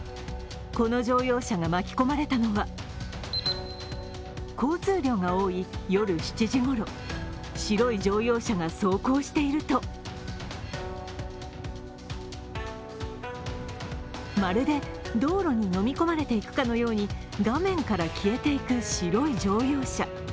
この乗用車が巻き込まれたのは交通量が多い夜７時ごろ、白い乗用車が走行しているとまるで道路にのみ込まれていくかのように画面から消えていく白い乗用車。